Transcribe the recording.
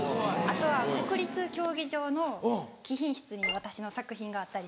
あとは国立競技場の貴賓室に私の作品があったりします。